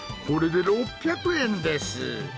これで６００円です。